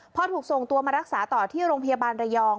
พอถูกส่งตัวมารักษาต่อที่โรงพยาบาลระยอง